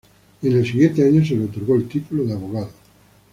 Y en el siguiente año se le otorgó el título de abogado.